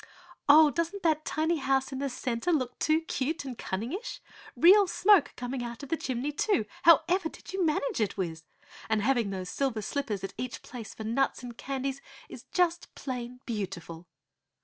"Oh, doesn't that tiny house in the center look too cute and cunningish? Real smoke coming out of the chimney, too. How ever did you manage it, Wiz? And having those silver slippers at each place for nuts and candies is just, plain beautiful."